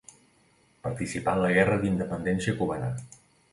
Participà en la Guerra d'Independència cubana.